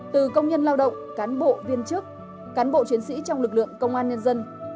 từ công nhân lao động cán bộ viên chức cán bộ chiến sĩ trong lực lượng công an nhân dân